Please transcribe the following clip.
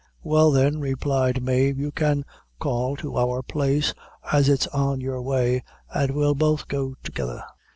"Well, then," replied Mave, "you can call to our place, as it's on your way, an' we'll both go together."